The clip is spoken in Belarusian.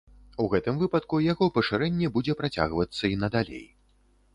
У гэтым выпадку яго пашырэнне будзе працягвацца і надалей.